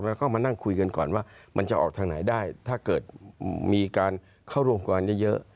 แล้วก็มานั่งคุยกันก่อนว่ามันจะออกทางไหนได้ถ้าเกิดมีการเข้าร่วมการเยอะ